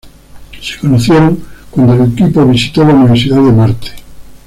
Se conocieron cuando el equipo visitó la Universidad de Marte.